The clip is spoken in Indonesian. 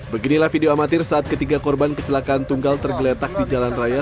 beginilah video amatir saat ketiga korban kecelakaan tunggal tergeletak di jalan raya